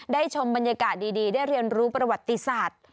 ชมบรรยากาศดีได้เรียนรู้ประวัติศาสตร์